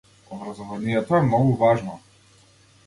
Образованието е многу важно.